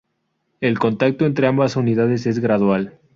El contacto entre ambas unidades es gradual.